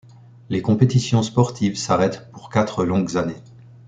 Les compétitions sportives s'arrêtent pour quatre longues années.